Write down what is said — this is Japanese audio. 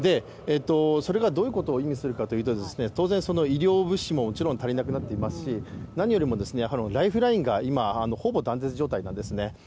それがどういうことを意味するかといいますと当然、医療物資ももちろん足りなくなっていますし何よりもライフラインが今、ほぼ断絶状態なんですね。